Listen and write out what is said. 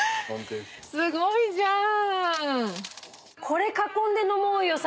すごいじゃーん！